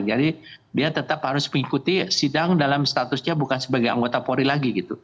jadi dia tetap harus mengikuti sidang dalam statusnya bukan sebagai anggota polri lagi gitu